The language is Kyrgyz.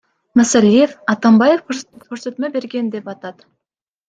Масалиев Атамбаев көрсөтмө берген деп атат.